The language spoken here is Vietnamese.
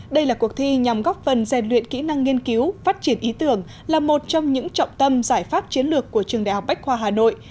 đây là cuộc thi nhằm góp phần rèn luyện kỹ năng nghiên cứu phát triển ý tưởng là một trong những trọng tâm giải pháp chiến lược của trường đại học bách khoa hà nội